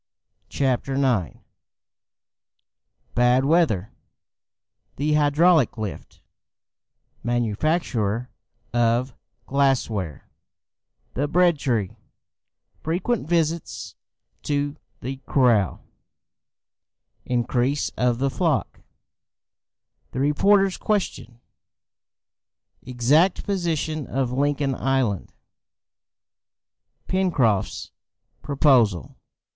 CHAPTER IX Bad Weather The Hydraulic Lift Manufacture of Glass ware The Bread tree Frequent Visits to the Corral Increase of the Flock The Reporter's Question Exact Position of Lincoln Island Pencroft's Proposal.